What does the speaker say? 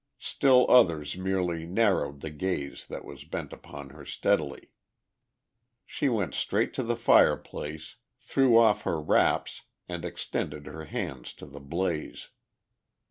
Still others merely narrowed the gaze that was bent upon her steadily. She went straight to the fireplace, threw off her wraps and extended her hands to the blaze.